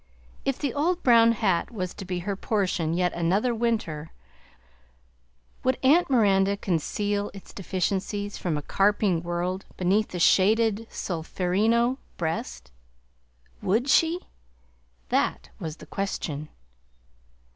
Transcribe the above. If the old brown hat was to be her portion yet another winter, would Aunt Miranda conceal its deficiencies from a carping world beneath the shaded solferino breast? WOULD she, that was the question?